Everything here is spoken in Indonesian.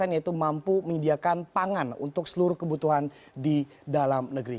yaitu mampu menyediakan pangan untuk seluruh kebutuhan di dalam negeri